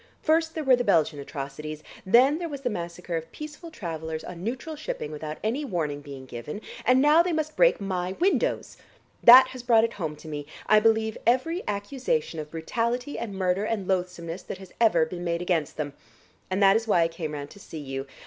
First there were the Belgian atrocities, then there was the massacre of peaceful travellers on neutral shipping without any warning begin given, and now they must break my windows. That has brought it home to me. I believe every accusation of brutality and murder and loathsomeness that has ever been made against them. And that is why I came round to see you.